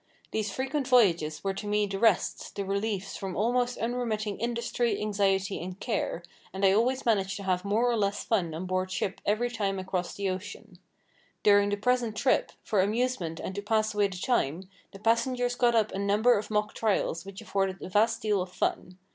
These frequent voyages were to me the rests, the reliefs from almost unremitting industry, anxiety, and care, and I always managed to have more or less fun on board ship every time I crossed the ocean. During the present trip, for amusement and to pass away the time, the passengers got up a number of mock trials which afforded a vast deal of fun.